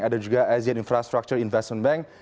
ada juga asian infrastructure investment bank